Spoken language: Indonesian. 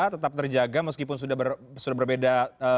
tetap terjaga meskipun sudah berbeda